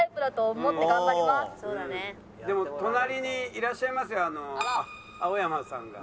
でも隣にいらっしゃいますよ青山さんが。